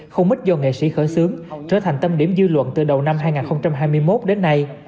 không ít do nghệ sĩ khởi xướng trở thành tâm điểm dư luận từ đầu năm hai nghìn hai mươi một đến nay